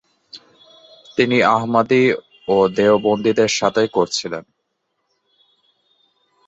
তিনি আহমদী ও দেওবন্দীদের সাথে করেছিলেন।